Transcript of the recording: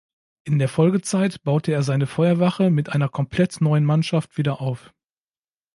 In der Folgezeit baute er seine Feuerwache mit einer komplett neuen Mannschaft wieder auf.